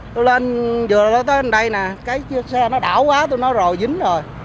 tôi lên vừa rồi tới đây nè cái xe nó đảo quá tôi nói rồi dính rồi